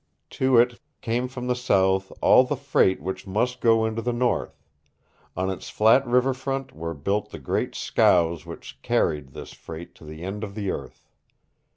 To it came from the south all the freight which must go into the north; on its flat river front were built the great scows which carried this freight to the end of the earth.